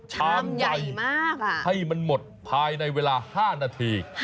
ชามใหญ่มากให้มันหมดภายในเวลา๕นาที